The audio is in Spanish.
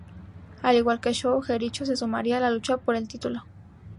Al igual que Show, Jericho se sumaría a la lucha por el título.